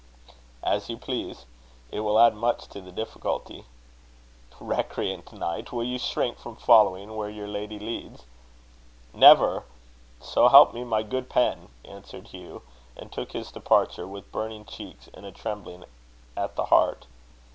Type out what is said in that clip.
"As you please. It will add much to the difficulty." "Recreant knight! will you shrink from following where your lady leads?" "Never! so help me, my good pen!" answered Hugh, and took his departure, with burning cheeks and a trembling at the heart.